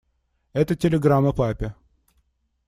Это телеграмма папе.